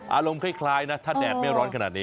อารมณ์คล้ายนะถ้าแดดไม่ร้อนขนาดนี้